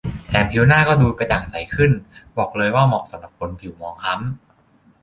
แถมผิวหน้าก็ดูกระจ่างใสขึ้น บอกเลยว่าเหมาะสำหรับคนผิวหมองคล้ำ